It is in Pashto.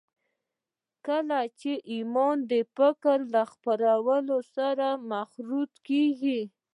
کله چې ايمان د فکر له څپو سره مخلوطېږي.